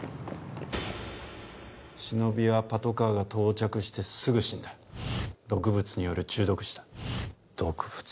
シノビはパトカーが到着してすぐ死んだ毒物による中毒死だ毒物？